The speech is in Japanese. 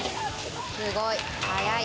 すごい早い！